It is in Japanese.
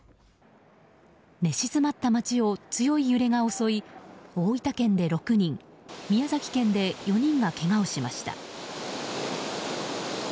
寝静まった街を強い揺れが襲い大分県で６人、宮崎県で４人がけがをしました。